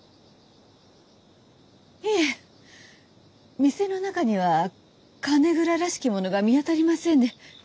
いえ店の中には金蔵らしきものが見当たりませんで。